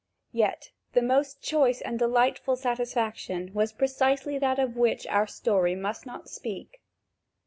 Yet, the most choice and delightful satisfaction was precisely that of which our story must not speak.